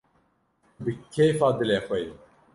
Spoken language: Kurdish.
- Tu bi kêfa dilê xwe yî…